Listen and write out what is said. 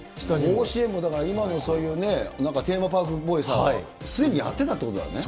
甲子園もだから、今もそういうね、なんかテーマパークっぽいさ、すでにやってたってことだね。